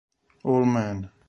All Man